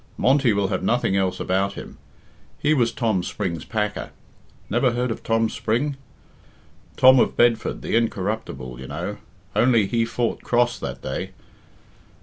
Monty will have nothing else about him. He was Tom Spring's packer. Never heard of Tom Spring? Tom of Bedford, the incorruptible, you know, only he fought cross that day.